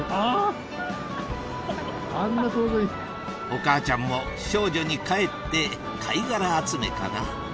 お母ちゃんも少女にかえって貝殻集めかな？